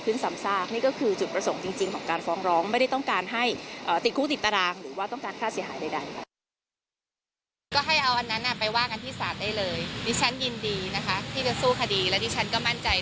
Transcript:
คุณทางคุณเนยยืนยันว่าทางเราไม่ได้เป็นคนคนถึงภาพนี้ในเจนทุกหลัก